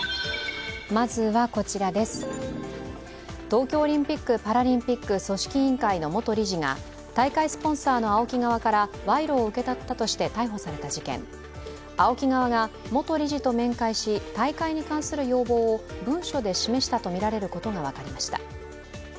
東京オリンピック・パラリンピック組織委員会の元理事が大会スポンサーのＡＯＫＩ側から賄賂を受け取ったとして逮捕された事件、ＡＯＫＩ側が元理事と面会し大会に関する要望を文書で示したとみられることが分かりました。